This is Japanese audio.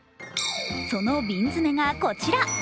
その瓶詰がこちら。